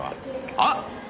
あっ！